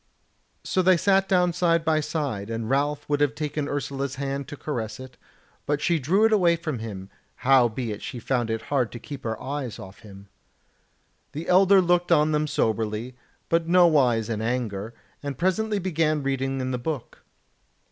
So they sat down side by side, and Ralph would have taken Ursula's hand to caress it, but she drew it away from him; howbeit she found it hard to keep her eyes from off him. The Elder looked on them soberly, but nowise in anger, and presently began reading in the book.